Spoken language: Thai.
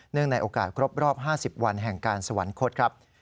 เนื่องในโอกาสครบรอบ๕๐วันแห่งการสวรรค์คดครับ